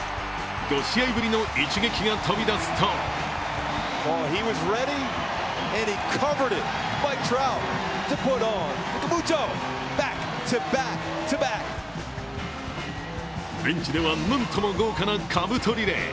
５試合ぶりの一撃が飛び出すとベンチでは、なんとも豪華なかぶとリレー。